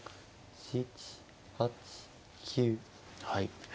はい。